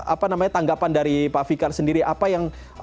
apa namanya tanggapan dari pak fikar sendiri apa yang